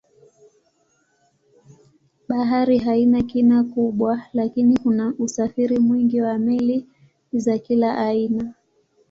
Bahari haina kina kubwa lakini kuna usafiri mwingi wa meli za kila aina.